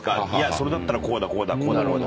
「それだったらこうだこうだこうだろう」と。